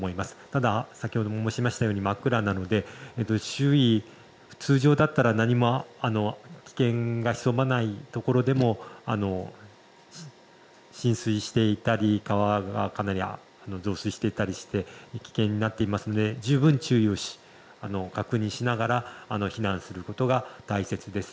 ただ、先ほども申したとおり真っ暗なので周囲は通常だったら何も危険が潜まない所でも浸水していたり川がかなり増水していたりして危険になっていますので十分注意をし確認しながら避難することが大切です。